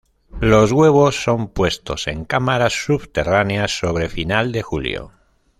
Los huevos son puestos en cámaras subterráneas sobre final de julio.